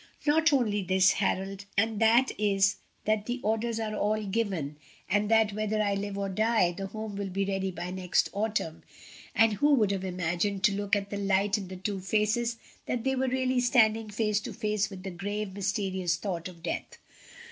"No, only this, Harold, and that is, that the orders are all given, and that whether I live or die, the Home will be ready by next autumn;" and who would have imagined, to look at the light in the two faces, that they were really standing face to face with the grave, mysterious thought of death.